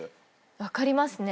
分かりますね。